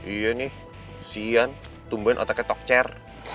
iya nih si ian tumbuhin otaknya tokcer